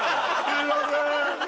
すいません。